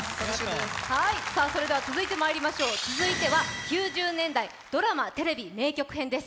続いてまいりましょう、９０年代ドラマ・テレビ名曲編です。